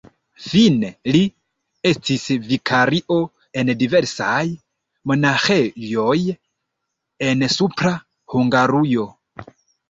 Fine li estis vikario en diversaj monaĥejoj en Supra Hungarujo.